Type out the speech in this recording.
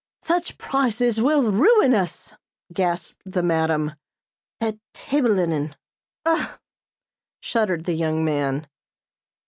"Such prices will ruin us!" gasped the madam. "That table linen! Ugh!" shuddered the young man.